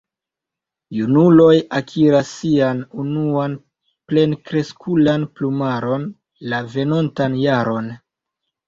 Junuloj akiras sian unuan plenkreskan plumaron la venontan jaron.